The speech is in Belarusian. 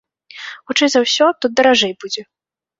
Хутчэй за ўсё, тут даражэй будзе.